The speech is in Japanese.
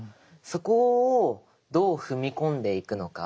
そこをどう踏み込んでいくのか。